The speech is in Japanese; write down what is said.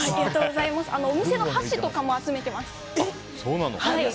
お店の箸とかも集めてます。